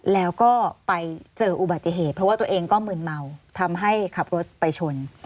แล้วก็ไปเจออุบัติเหตุเพราะว่าตัวเองก็มืนเมาทำให้ขับรถไปชน